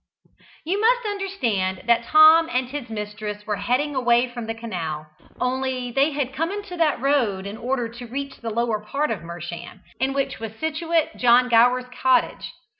You must understand that Tom and his mistress were heading away from the canal, only they had come into that road in order to reach the lower part of Mersham, in which was situate John Gower's cottage.